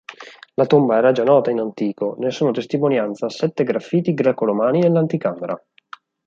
La tomba era già nota in antico, ne sono testimonianza sette graffiti greco-romani nell’anticamera.